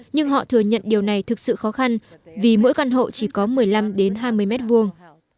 nhưng họ thừa nhận điều này thực sự khó khăn vì mỗi căn hộ chỉ có một mươi năm đến hai mươi mét vuông